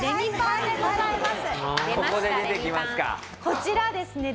こちらですね